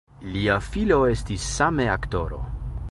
Lia filo estis same aktoro.